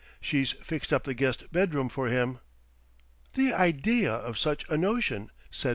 She's fixed up the guest bedroom for him." "The idea of such a notion!" said Mr. Gubb.